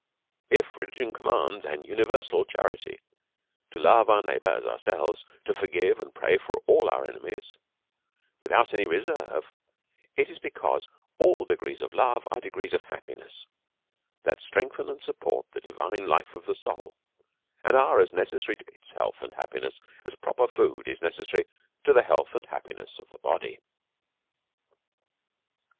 If religion commands an universal charity, to love our neighbour as ourselves, to forgive and pray for all our enemies without any reserve, it is because all de grees of love are degrees of happiness, that strengthen and support the divine life of the soul, and are as ne cessary to its health and happiness as proper food is DEVOUT AND HOLY LIFE. 127 necessary to the health and happiness of tlie body.